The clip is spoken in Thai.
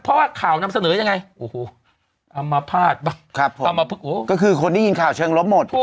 เพราะว่าข่าวนำเสนอให้ยังไงโอ้โหอ้อมหาพาดบะครับผมเอามาก็คือคนที่ยินข่าวชังลบหมด